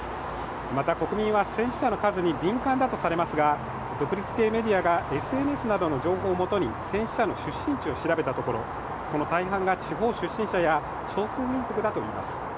また、国民は戦死者の数に敏感だとされますが独立系メディアがＳＮＳなどの情報をもとに戦死者の出身地を調べたところその大半が地方出身者や少数民族だといいます。